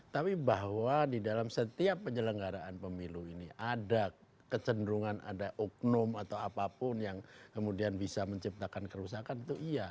tapi bahwa di dalam setiap penyelenggaraan pemilu ini ada kecenderungan ada oknum atau apapun yang kemudian bisa menciptakan kerusakan itu iya